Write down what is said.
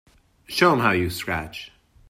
Show 'em how you scratch.